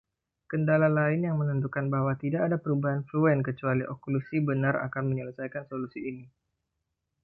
Kendala lain yang menentukan bahwa tidak ada perubahan fluent kecuali oklusi benar akan menyelesaikan solusi ini.